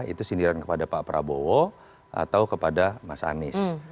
itu sindiran kepada pak prabowo atau kepada mas anies